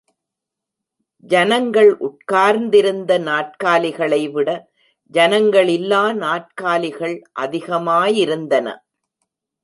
ஜனங்கள் உட்கார்ந்திருந்த நாற்காலிகளைவிட ஜனங்களில்லா நாற்காலிகள் அதிகமாயிருந்தன.